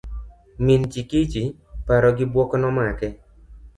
Min Chikichi paro gi buok nomake.